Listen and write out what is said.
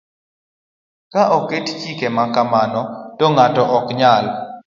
Ka oket chike ma kamago, to ng'ato ok nyal